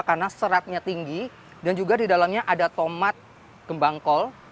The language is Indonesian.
karena seratnya tinggi dan juga di dalamnya ada tomat gembang kol